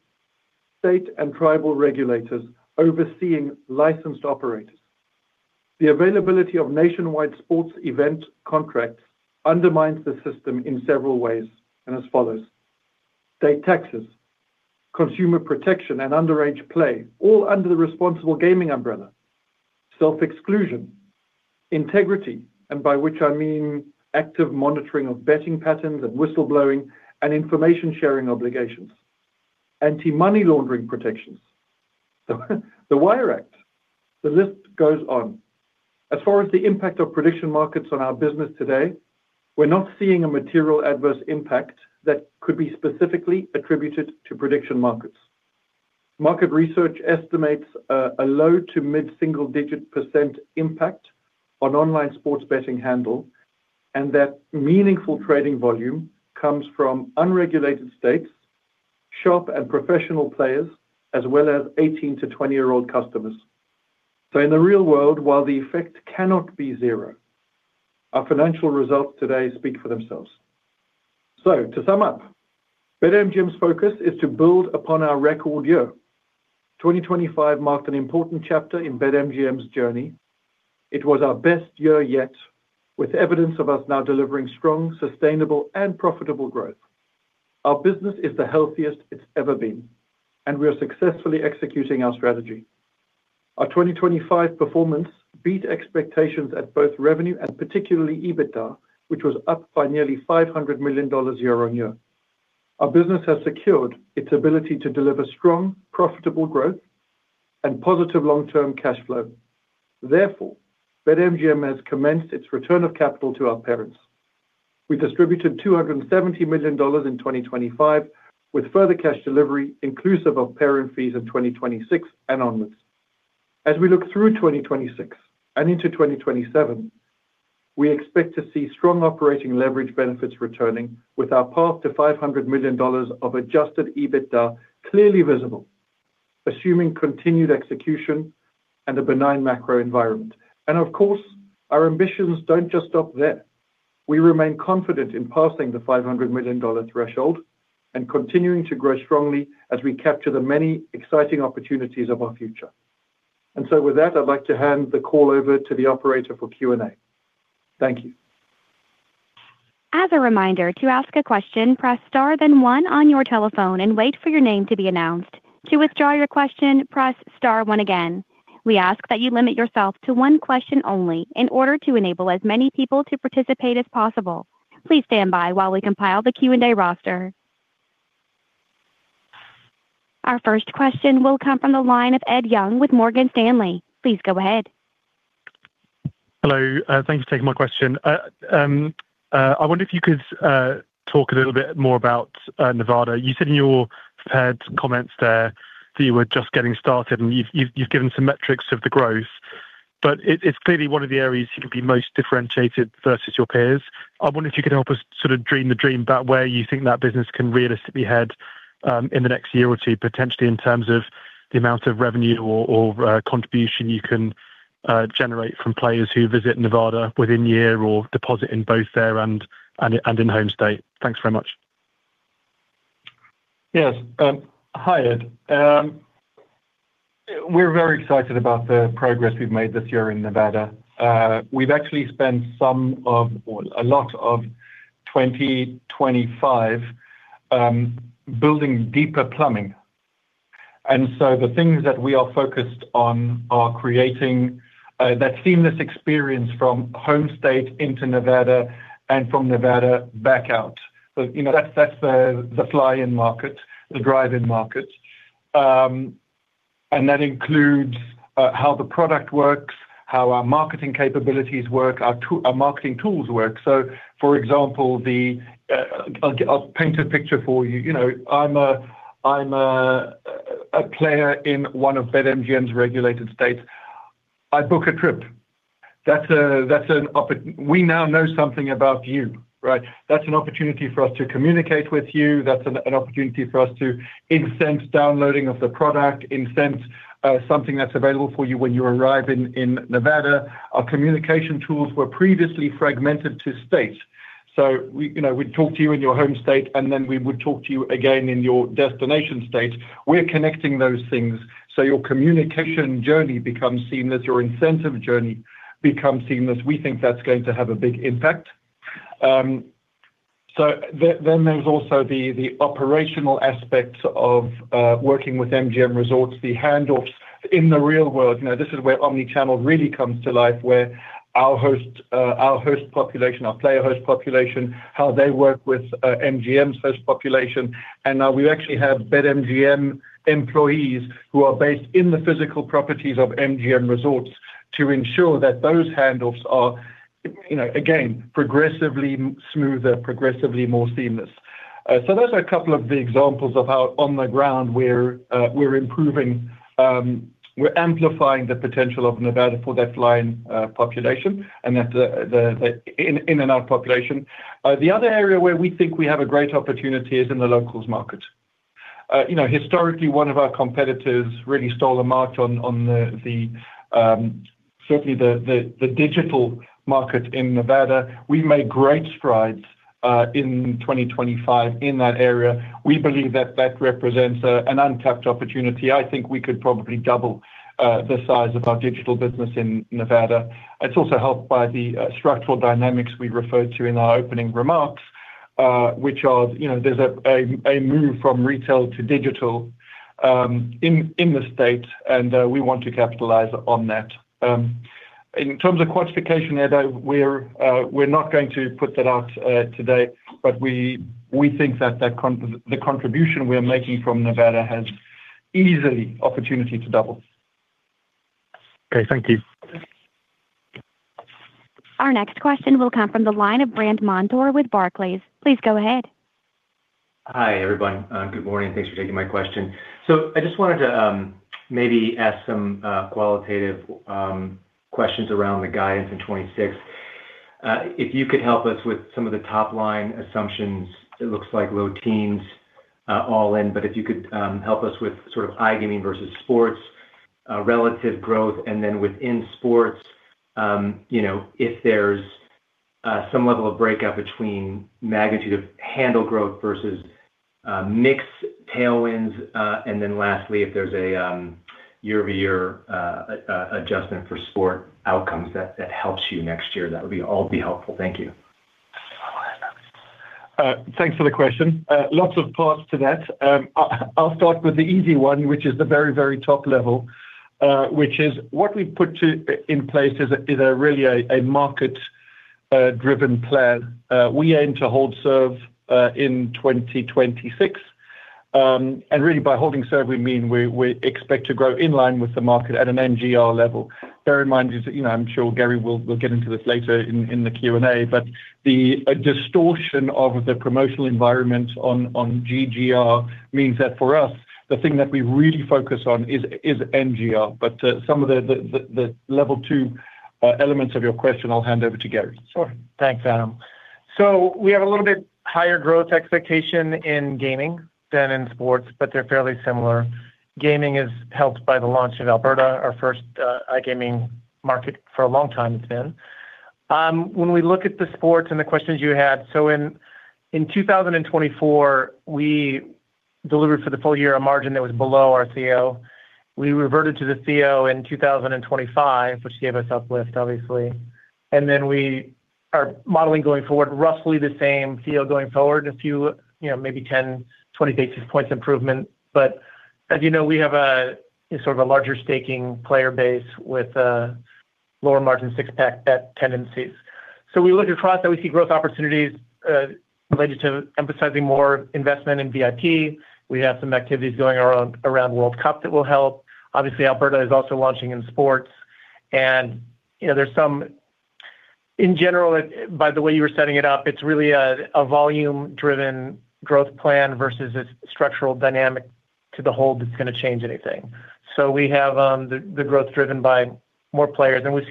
state and tribal regulators overseeing licensed operators. The availability of nationwide sports event contracts undermines the system in several ways, and as follows: state taxes, consumer protection, and underage play, all under the responsible gaming umbrella, self-exclusion, integrity, and by which I mean active monitoring of betting patterns and whistleblowing and information sharing obligations, anti-money laundering protections, the Wire Act, the list goes on. As far as the impact of prediction markets on our business today, we're not seeing a material adverse impact that could be specifically attributed to prediction markets. Market research estimates a low- to mid-single-digit% impact on online sports betting handle, and that meaningful trading volume comes from unregulated states, sharp and professional players, as well as 18-20-year-old customers. So in the real world, while the effect cannot be zero, our financial results today speak for themselves. So to sum up, BetMGM's focus is to build upon our record year. 2025 marked an important chapter in BetMGM's journey. It was our best year yet, with evidence of us now delivering strong, sustainable, and profitable growth. Our business is the healthiest it's ever been, and we are successfully executing our strategy. Our 2025 performance beat expectations at both revenue and particularly EBITDA, which was up by nearly $500 million year-on-year. Our business has secured its ability to deliver strong, profitable growth and positive long-term cash flow. Therefore, BetMGM has commenced its return of capital to our parents. We distributed $270 million in 2025, with further cash delivery, inclusive of parent fees in 2026 and onwards. As we look through 2026 and into 2027, we expect to see strong operating leverage benefits returning with our path to $500 million of Adjusted EBITDA, clearly visible, assuming continued execution and a benign macro environment. And of course, our ambitions don't just stop there. We remain confident in passing the $500 million threshold and continuing to grow strongly as we capture the many exciting opportunities of our future. And so with that, I'd like to hand the call over to the operator for Q&A. Thank you. As a reminder, to ask a question, press Star, then one on your telephone and wait for your name to be announced. To withdraw your question, press Star one again. We ask that you limit yourself to one question only in order to enable as many people to participate as possible. Please stand by while we compile the Q&A roster. Our first question will come from the line of Ed Young with Morgan Stanley. Please go ahead. Hello, thanks for taking my question. I wonder if you could talk a little bit more about Nevada. You said in your prepared comments there that you were just getting started, and you've given some metrics of the growth, but it's clearly one of the areas you can be most differentiated versus your peers. I wonder if you could help us sort of dream the dream about where you think that business can realistically head in the next year or two, potentially in terms of the amount of revenue or contribution you can generate from players who visit Nevada within year or deposit in both there and in home state. Thanks very much. Yes, hi, Ed. We're very excited about the progress we've made this year in Nevada. We've actually spent some of, or a lot of 2025, building deeper plumbing. And so the things that we are focused on are creating that seamless experience from home state into Nevada and from Nevada back out. So, you know, that's the fly-in market, the drive-in market. And that includes how the product works, how our marketing capabilities work, our marketing tools work. So, for example, I'll paint a picture for you. You know, I'm a player in one of BetMGM's regulated states. I book a trip. We now know something about you, right? That's an opportunity for us to communicate with you. That's an opportunity for us to incent downloading of the product, incent something that's available for you when you arrive in Nevada. Our communication tools were previously fragmented to state. So we, you know, we'd talk to you in your home state, and then we would talk to you again in your destination state. We're connecting those things, so your communication journey becomes seamless, your incentive journey becomes seamless. We think that's going to have a big impact. So then there's also the operational aspects of working with MGM Resorts, the handoffs in the real world. You know, this is where Omni-channel really comes to life, where our host population, our player host population, how they work with MGM's host population. And now we actually have BetMGM employees who are based in the physical properties of MGM Resorts to ensure that those handoffs are, you know, again, progressively smoother, progressively more seamless. So those are a couple of the examples of how on the ground we're improving, we're amplifying the potential of Nevada for that flying population and that the in and out population. The other area where we think we have a great opportunity is in the locals market. You know, historically, one of our competitors really stole a march on the certainly the digital market in Nevada. We made great strides in 2025 in that area. We believe that that represents an untapped opportunity. I think we could probably double the size of our digital business in Nevada. It's also helped by the structural dynamics we referred to in our opening remarks, which are, you know, there's a move from retail to digital in the state, and we want to capitalize on that. In terms of quantification, Ed, we're not going to put that out today, but we think that the contribution we are making from Nevada has easily opportunity to double. Okay, thank you. Our next question will come from the line of Brandt Montour with Barclays. Please go ahead. Hi, everyone. Good morning. Thanks for taking my question. So I just wanted to maybe ask some qualitative questions around the guidance in 2026. If you could help us with some of the top-line assumptions, it looks like low teens all in, but if you could help us with sort of iGaming versus sports relative growth, and then within sports, you know, if there's some level of breakup between magnitude of handle growth versus mix tailwinds. And then lastly, if there's a year-over-year adjustment for sport outcomes that helps you next year, that would all be helpful. Thank you. Thanks for the question. Lots of parts to that. I'll start with the easy one, which is the very top level, which is what we've put in place is a really a market-driven plan. We aim to hold serve in 2026. And really by holding serve, we mean we expect to grow in line with the market at an NGR level. Bear in mind, you know, I'm sure Gary will get into this later in the Q&A, but the distortion of the promotional environment on GGR means that for us, the thing that we really focus on is NGR. But some of the level two elements of your question, I'll hand over to Gary. Sure. Thanks, Adam. So we have a little bit higher growth expectation in gaming than in sports, but they're fairly similar. Gaming is helped by the launch in Alberta, our first iGaming market for a long time, it's been. When we look at the sports and the questions you had, so in 2024, we delivered for the full-year, a margin that was below our CO. We reverted to the CO in 2025, which gave us uplift, obviously. And then we are modeling going forward, roughly the same CO going forward, a few, you know, maybe 10-20 basis points improvement. But as you know, we have a sort of a larger staking player base with lower margin straight bet tendencies. So we look across that, we see growth opportunities related to emphasizing more investment in VIP. We have some activities going around, around World Cup that will help. Obviously, Alberta is also launching in sports, and, you know, there's some... In general, by the way you were setting it up, it's really a, a volume-driven growth plan versus a structural dynamic to the whole, that's gonna change anything. So we have the growth driven by more players, and we've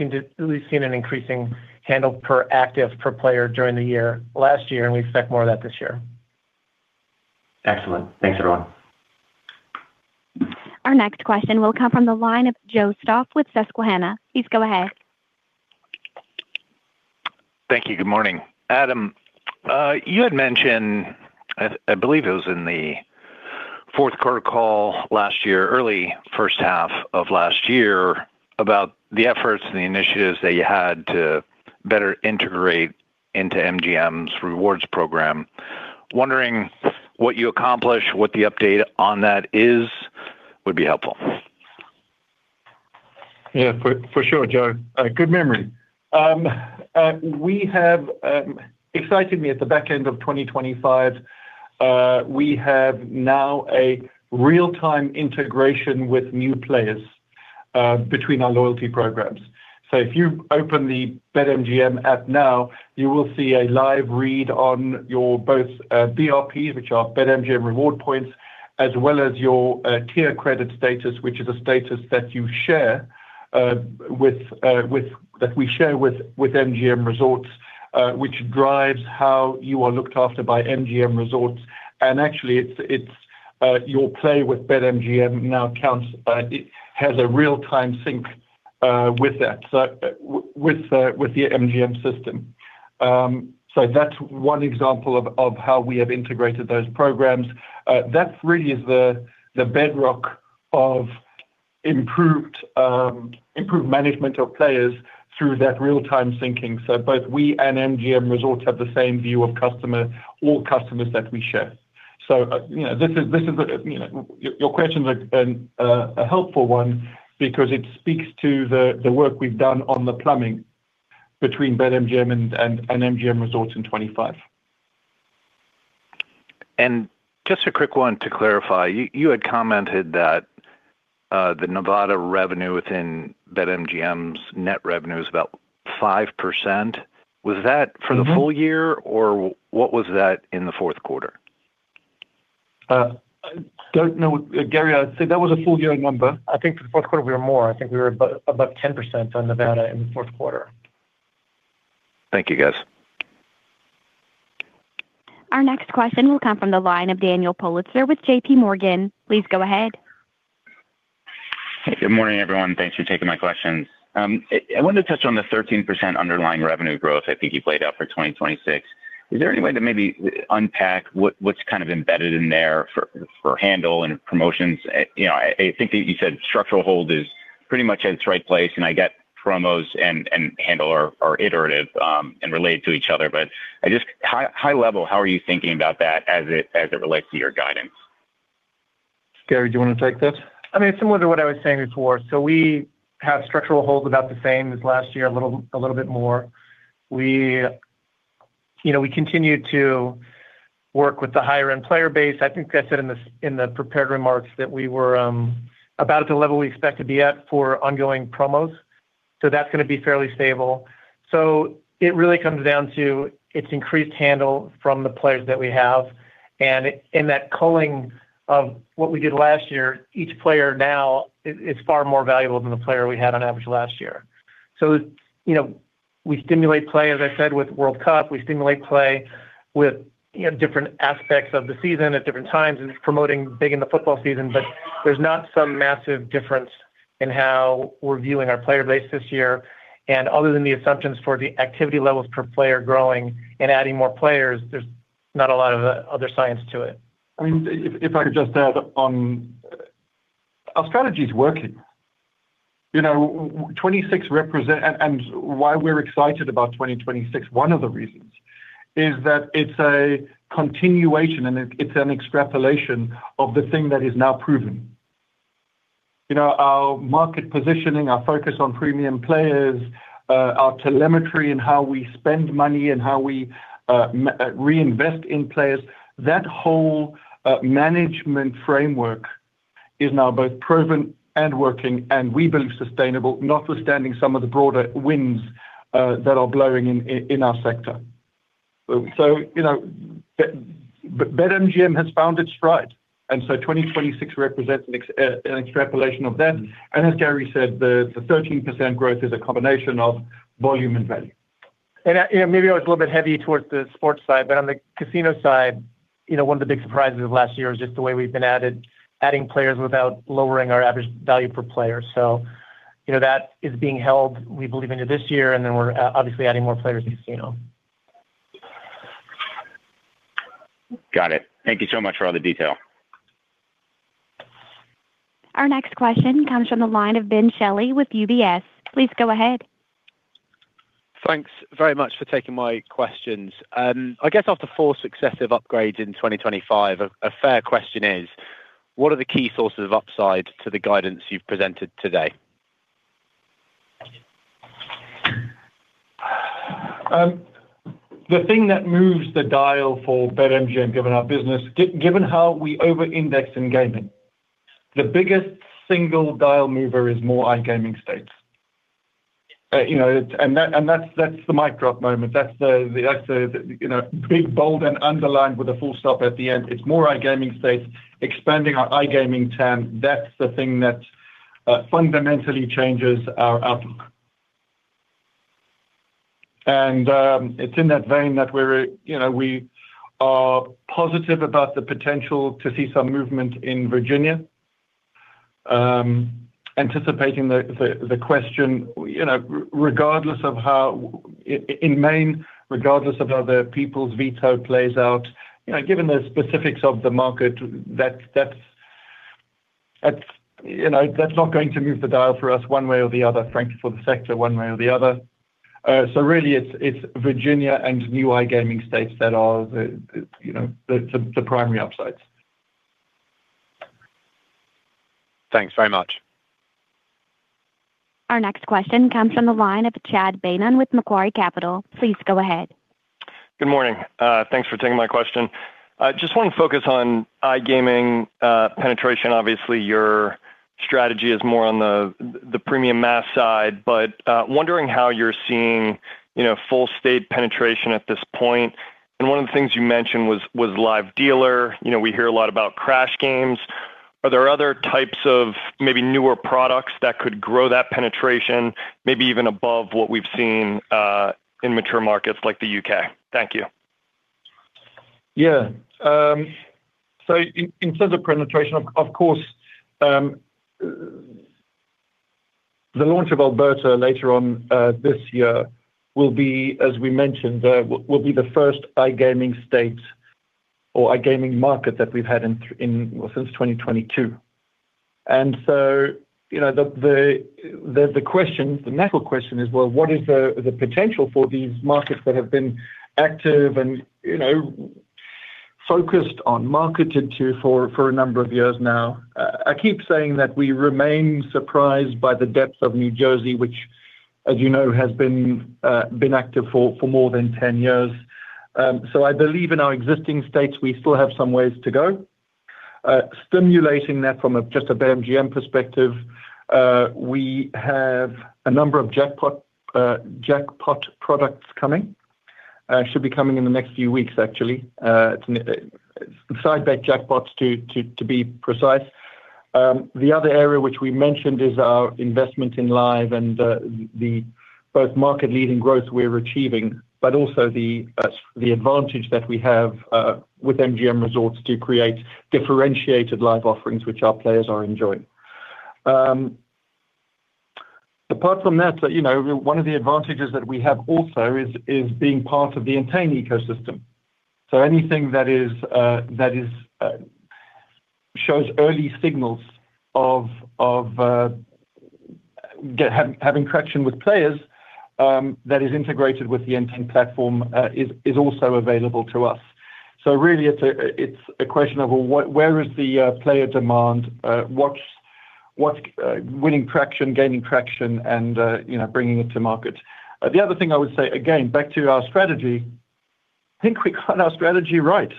seen an increasing handle per active, per player during the year, last year, and we expect more of that this year. Excellent. Thanks, everyone. Our next question will come from the line of Joe Stauff with Susquehanna. Please go ahead. Thank you. Good morning. Adam, you had mentioned, I believe it was in the fourth quarter call last year, early first half of last year, about the efforts and the initiatives that you had to better integrate into MGM's rewards program. Wondering what you accomplished, what the update on that is, would be helpful. Yeah, for sure, Joe. Good memory. We have excitedly at the back end of 2025, we have now a real-time integration with new players between our loyalty programs. So if you open the BetMGM app now, you will see a live read on your both BRP, which are BetMGM reward points, as well as your tier credit status, which is a status that you share that we share with MGM Resorts, which drives how you are looked after by MGM Resorts. And actually, it's your play with BetMGM now counts, it has a real-time sync with that, so with the MGM system. So that's one example of how we have integrated those programs. That really is the bedrock of improved management of players through that real-time syncing. So both we and MGM Resorts have the same view of customer or customers that we share. So, you know, this is, this is the, you know... Your question is a helpful one because it speaks to the work we've done on the plumbing between BetMGM and MGM Resorts in 25. Just a quick one to clarify, you had commented that the Nevada revenue within BetMGM's net revenue is about 5%. Was that for the full-year, or what was that in the fourth quarter? I don't know, Gary, I think that was a full-year number. I think for the fourth quarter, we were more. I think we were about, above 10% on Nevada in the fourth quarter. Thank you, guys. Our next question will come from the line of Daniel Politzer with J.P. Morgan. Please go ahead. Good morning, everyone. Thanks for taking my questions. I wanted to touch on the 13% underlying revenue growth I think you played out for 2026. Is there any way to maybe unpack what, what's kind of embedded in there for, for handle and promotions? You know, I, I think that you said structural hold is pretty much at its right place, and I get promos and, and handle are, are iterative, and related to each other. But I just, high, high level, how are you thinking about that as it, as it relates to your guidance? Gary, do you want to take this? I mean, similar to what I was saying before: so we have structural holds about the same as last year, a little, a little bit more. We, you know, we continue to work with the higher-end player base. I think I said in the prepared remarks that we were about at the level we expect to be at for ongoing promos, so that's going to be fairly stable. So it really comes down to its increased handle from the players that we have. And in that culling of what we did last year, each player now is far more valuable than the player we had on average last year. So, you know, we stimulate play, as I said, with World Cup. We stimulate play with, you know, different aspects of the season at different times, and it's promoting big in the football season. But there's not some massive difference in how we're viewing our player base this year. And other than the assumptions for the activity levels per player growing and adding more players, there's not a lot of other science to it. I mean, if I could just add on. Our strategy is working. You know, 2026 represents and why we're excited about 2026, one of the reasons is that it's a continuation and it's an extrapolation of the thing that is now proven. You know, our market positioning, our focus on premium players, our telemetry and how we spend money and how we reinvest in players, that whole management framework is now both proven and working, and we believe sustainable, notwithstanding some of the broader winds that are blowing in our sector. So, you know, BetMGM has found its stride, and so 2026 represents an extrapolation of that. And as Gary said, the 13% growth is a combination of volume and value. You know, maybe I was a little bit heavy towards the sports side, but on the casino side, you know, one of the big surprises of last year is just the way we've been adding players without lowering our average value per player. So, you know, that is being held, we believe, into this year, and then we're obviously adding more players in the casino. Got it. Thank you so much for all the detail. Our next question comes from the line of Ben Shelley with UBS. Please go ahead. Thanks very much for taking my questions. I guess after four successive upgrades in 2025, a fair question is: what are the key sources of upside to the guidance you've presented today? The thing that moves the dial for BetMGM, given our business, given how we over-index in gaming, the biggest single dial mover is more iGaming states. You know, and that, and that's, that's the micro moment. That's the, that's the, you know, big, bold, and underlined with a full stop at the end. It's more iGaming states, expanding our iGaming TAM. That's the thing that, fundamentally changes our outlook. And, it's in that vein that we're, you know, we are positive about the potential to see some movement in Virginia. Anticipating the question, you know, regardless of how in Maine, regardless of how the people's veto plays out, you know, given the specifics of the market, that's not going to move the dial for us one way or the other, frankly, for the sector, one way or the other. So really, it's Virginia and new iGaming states that are the primary upsides. Thanks very much. Our next question comes from the line of Chad Beynon with Macquarie Capital. Please go ahead. Good morning. Thanks for taking my question. I just want to focus on iGaming penetration. Obviously, your strategy is more on the premium mass side, but wondering how you're seeing, you know, full state penetration at this point. And one of the things you mentioned was live dealer. You know, we hear a lot about crash games. Are there other types of maybe newer products that could grow that penetration, maybe even above what we've seen in mature markets like the U.K? Thank you. Yeah. So in terms of penetration, of course, the launch of Alberta later on this year will be, as we mentioned, the first iGaming state or iGaming market that we've had in, well, since 2022. And so, you know, the question, the natural question is: Well, what is the potential for these markets that have been active and, you know, focused on, marketed to for a number of years now? I keep saying that we remain surprised by the depth of New Jersey, which, as you know, has been active for more than 10 years. So I believe in our existing states, we still have some ways to go. Stimulating that from just an MGM perspective, we have a number of jackpot products coming, should be coming in the next few weeks, actually. Side bet jackpots, to be precise. The other area which we mentioned is our investment in live and the both market-leading growth we're achieving, but also the advantage that we have with MGM Resorts to create differentiated live offerings which our players are enjoying. Apart from that, you know, one of the advantages that we have also is being part of the Entain ecosystem. So anything that shows early signals of having traction with players, that is integrated with the Entain platform, is also available to us. So really, it's a question of where is the player demand, what's winning traction, gaining traction, and you know, bringing it to market. The other thing I would say, again, back to our strategy, I think we got our strategy right.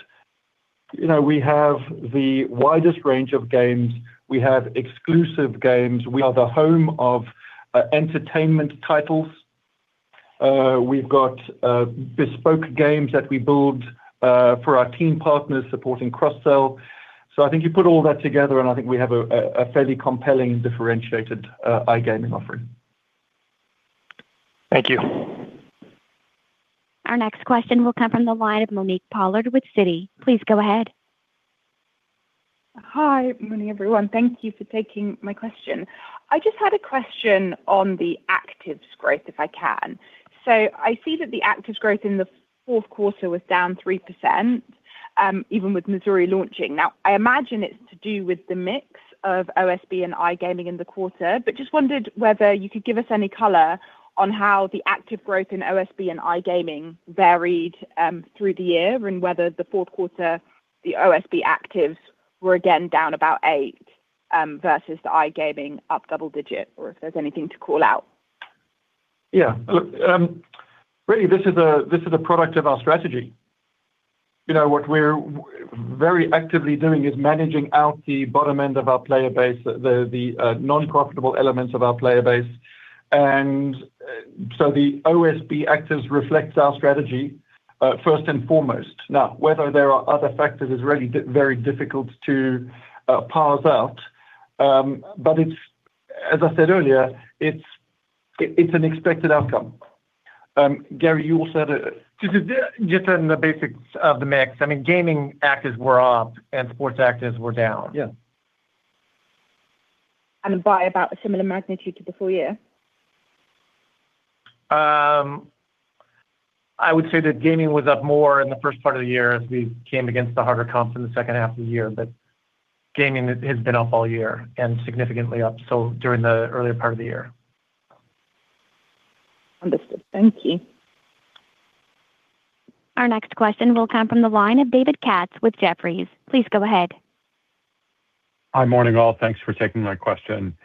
You know, we have the widest range of games. We have exclusive games. We are the home of entertainment titles. We've got bespoke games that we build for our team partners supporting cross-sell. So I think you put all that together, and I think we have a fairly compelling, differentiated iGaming offering. Thank you. Our next question will come from the line of Monique Pollard with Citi. Please go ahead. Hi, good morning, everyone. Thank you for taking my question. I just had a question on the actives growth, if I can. So I see that the actives growth in the fourth quarter was down 3%, even with Missouri launching. Now, I imagine it's to do with the mix of OSB and iGaming in the quarter, but just wondered whether you could give us any color on how the active growth in OSB and iGaming varied, through the year, and whether the fourth quarter, the OSB actives were again down about eight, versus the iGaming up double digit, or if there's anything to call out. Yeah. Look, really, this is a product of our strategy. You know, what we're very actively doing is managing out the bottom end of our player base, the non-profitable elements of our player base. And so the OSB actives reflects our strategy, first and foremost. Now, whether there are other factors is really very difficult to parse out. But it's—as I said earlier, it's an expected outcome. Gary, you also said... Just in the basics of the mix, I mean, gaming actives were up and sports actives were down. Yeah. By about a similar magnitude to the full-year? I would say that gaming was up more in the first part of the year as we came against the harder comps in the second half of the year, but gaming has been up all year and significantly up, so during the earlier part of the year. Understood. Thank you. Our next question will come from the line of David Katz with Jefferies. Please go ahead. Hi, morning, all. Thanks for taking my question.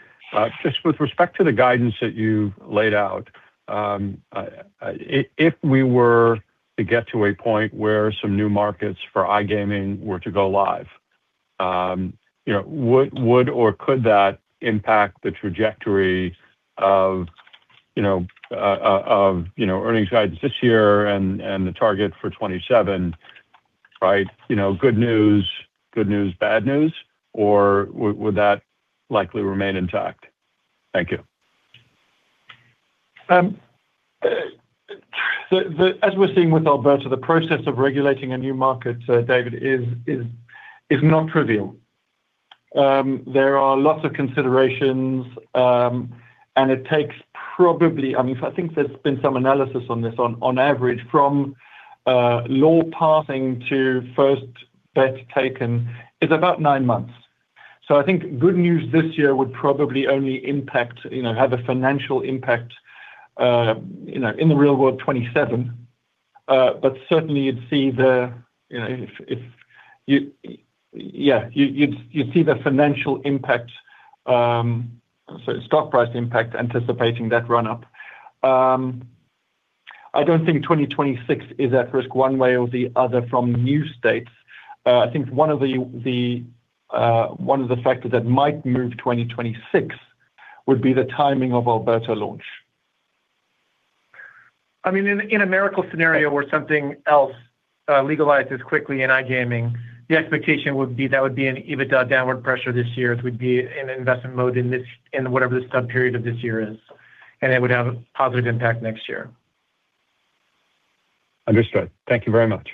Just with respect to the guidance that you laid out, if we were to get to a point where some new markets for iGaming were to go live, you know, would or could that impact the trajectory of, you know, of, you know, earnings guidance this year and the target for 2027, right? You know, good news, good news, bad news, or would that likely remain intact? Thank you.... as we're seeing with Alberta, the process of regulating a new market, David, is not trivial. There are lots of considerations, and it takes probably- I mean, I think there's been some analysis on this, on average from law passing to first bet taken is about nine months. So I think good news this year would probably only impact, you know, have a financial impact, you know, in the real world, 2027. But certainly you'd see the, you know, if you- yeah, you'd see the financial impact, so stock price impact, anticipating that run up. I don't think 2026 is at risk one way or the other from new states. I think one of the factors that might move 2026 would be the timing of Alberta launch. I mean, in a miracle scenario where something else legalizes quickly in iGaming, the expectation would be that would be an EBITDA downward pressure this year. It would be an investment mode in this, in whatever the subperiod of this year is, and it would have a positive impact next year. Understood. Thank you very much.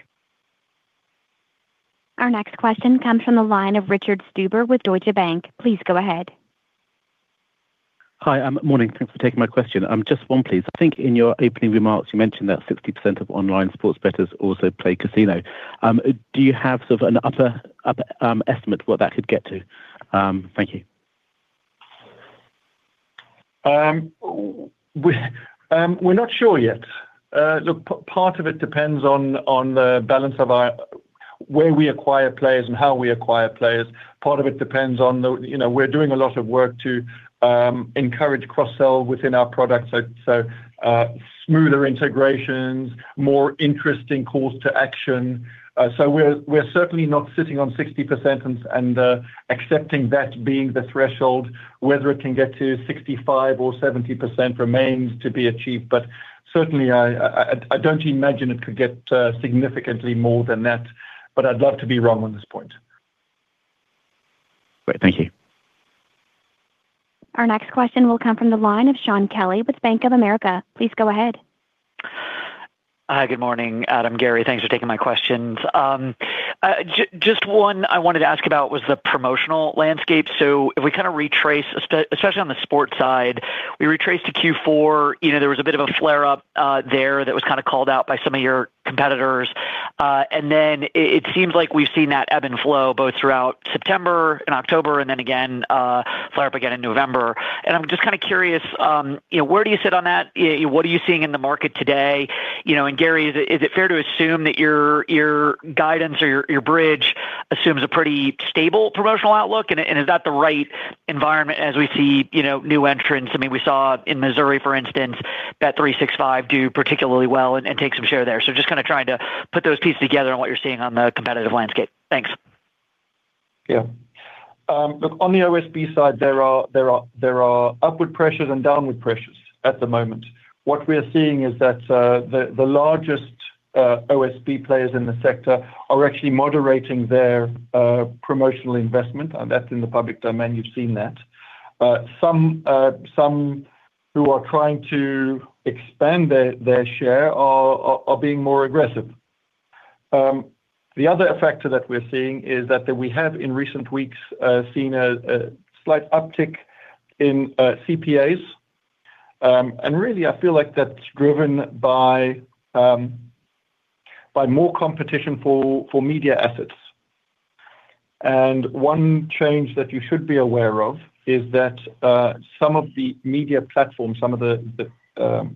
Our next question comes from the line of Richard Stuber with Deutsche Bank. Please go ahead. Hi, morning. Thanks for taking my question. Just one, please. I think in your opening remarks, you mentioned that 60% of online sports bettors also play casino. Do you have sort of an upper estimate what that could get to? Thank you. We, we're not sure yet. Look, part of it depends on the balance of our where we acquire players and how we acquire players. Part of it depends on the... You know, we're doing a lot of work to encourage cross-sell within our products. So, smoother integrations, more interesting calls to action. So we're certainly not sitting on 60% and accepting that being the threshold. Whether it can get to 65% or 70% remains to be achieved, but certainly, I don't imagine it could get significantly more than that, but I'd love to be wrong on this point. Great. Thank you. Our next question will come from the line of Shaun Kelley with Bank of America. Please go ahead. Hi, good morning, Adam, Gary. Thanks for taking my questions. Just one I wanted to ask about was the promotional landscape. So if we kind of retrace, especially on the sports side, we retrace to Q4, you know, there was a bit of a flare-up there that was kind of called out by some of your competitors. And then it seems like we've seen that ebb and flow both throughout September and October, and then again, flare up again in November. And I'm just kind of curious, you know, where do you sit on that? What are you seeing in the market today? You know, and, Gary, is it fair to assume that your guidance or your bridge assumes a pretty stable promotional outlook? And, is that the right environment as we see, you know, new entrants? I mean, we saw in Missouri, for instance, bet365 do particularly well and take some share there. So just kind of trying to put those pieces together on what you're seeing on the competitive landscape. Thanks. Yeah. Look, on the OSB side, there are upward pressures and downward pressures at the moment. What we are seeing is that the largest OSB players in the sector are actually moderating their promotional investment, and that's in the public domain. You've seen that. Some who are trying to expand their share are being more aggressive. The other factor that we're seeing is that we have in recent weeks seen a slight uptick in CPAs. And really, I feel like that's driven by more competition for media assets. And one change that you should be aware of is that some of the media platforms, some of the Google.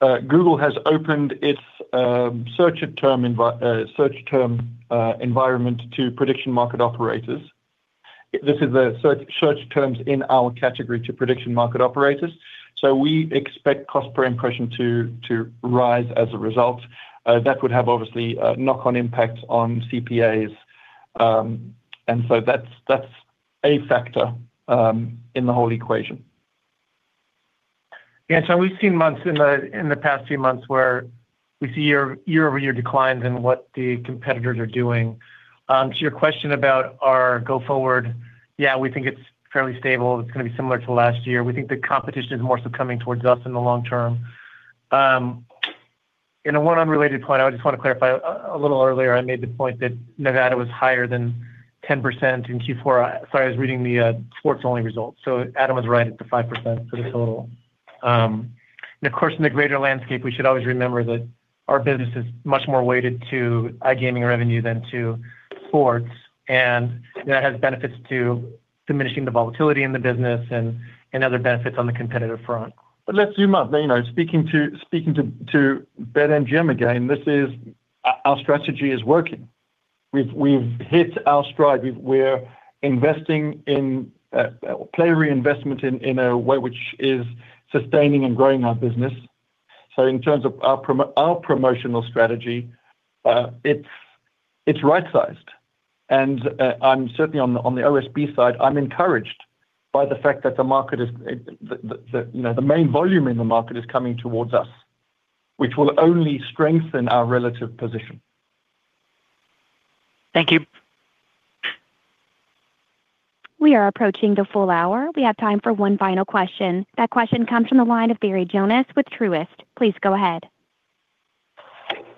Google has opened its search term environment to prediction market operators. This is the search terms in our category to prediction market operators. So we expect cost per impression to rise as a result. That would have obviously a knock-on impact on CPAs. And so that's a factor in the whole equation. Yeah, so we've seen months in the past few months where we see year-over-year declines in what the competitors are doing. So your question about our go forward, yeah, we think it's fairly stable. It's gonna be similar to last year. We think the competition is more so coming towards us in the long term. And one unrelated point, I just want to clarify. A little earlier, I made the point that Nevada was higher than 10% in Q4. So I was reading the sports-only results. So Adam was right, it's 5% for the total. And of course, in the greater landscape, we should always remember that our business is much more weighted to iGaming revenue than to sports, and that has benefits to diminishing the volatility in the business and other benefits on the competitive front. But let's zoom out. You know, speaking to BetMGM again, this is our strategy is working. We've hit our stride. We're investing in player reinvestment in a way which is sustaining and growing our business. So in terms of our promotional strategy, it's right-sized. And I'm certainly on the OSB side, I'm encouraged by the fact that the market is, you know, the main volume in the market is coming towards us, which will only strengthen our relative position. Thank you. We are approaching the full hour. We have time for one final question. That question comes from the line of Barry Jonas with Truist. Please go ahead.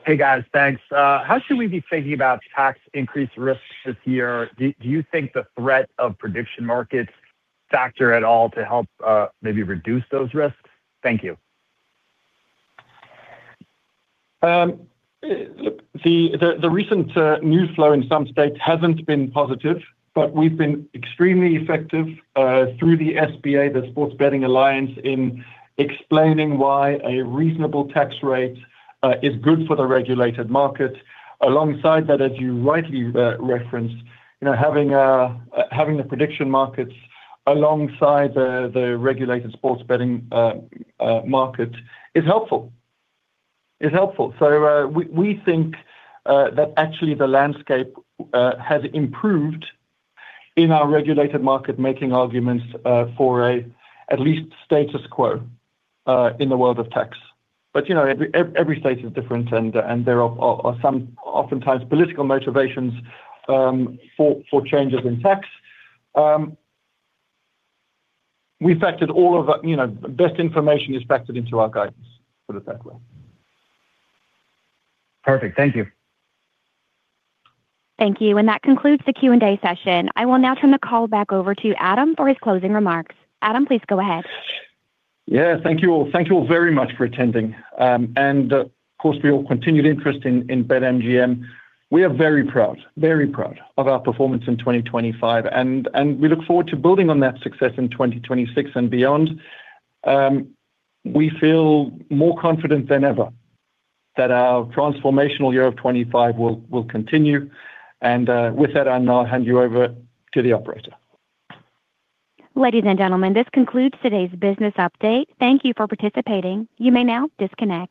Hey, guys, thanks. How should we be thinking about tax increase risks this year? Do you think the threat of prediction markets factor at all to help, maybe reduce those risks? Thank you. Look, the recent news flow in some states hasn't been positive, but we've been extremely effective through the SBA, the Sports Betting Alliance, in explaining why a reasonable tax rate is good for the regulated market. Alongside that, as you rightly referenced, you know, having the prediction markets alongside the regulated sports betting market is helpful. Is helpful. So, we think that actually the landscape has improved in our regulated market, making arguments for at least status quo in the world of tax. But, you know, every state is different, and there are some oftentimes political motivations for changes in tax. We factored all of the... You know, best information is factored into our guidance, put it that way. Perfect. Thank you. Thank you, and that concludes the Q&A session. I will now turn the call back over to Adam for his closing remarks. Adam, please go ahead. Yeah, thank you all. Thank you all very much for attending. And, of course, for your continued interest in BetMGM. We are very proud, very proud of our performance in 2025, and we look forward to building on that success in 2026 and beyond. We feel more confident than ever that our transformational year of 2025 will continue, and with that, I'll now hand you over to the operator. Ladies and gentlemen, this concludes today's business update. Thank you for participating. You may now disconnect.